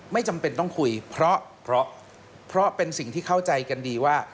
ไม่จำเป็นต้องคุยเพราะเพราะเป็นสิ่งที่เข้าใจกันดีว่า